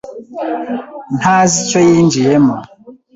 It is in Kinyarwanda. ntazi icyo yinjiyemo.